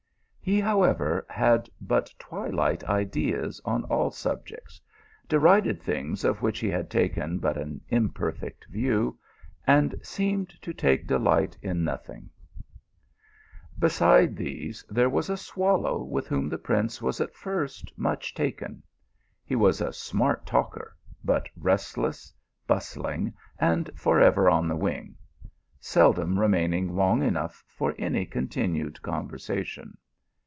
He, however, had but twilight ideas on all subjects, derided things of which he had taken but an imperfect view, and seemed to take delight in nothing. THE PILGRIM OF LOVE. 193 Beside these there was a swallow, witft whom tne prince was at first much taken. He was a smart talker, but restless, bustling, and for ever on the wing; seldom remaining long enough for any con tinued conversation.